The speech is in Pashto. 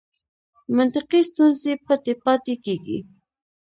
منطقي ستونزې پټې پاتې کېږي.